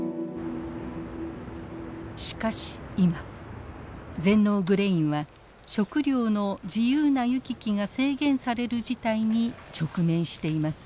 しかし今全農グレインは食料の自由な行き来が制限される事態に直面しています。